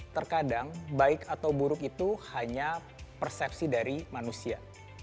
terkadang baik atau buruk itu hanya persepsi dari manusia